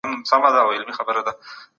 د هوا ککړتیا مخه ونیسئ.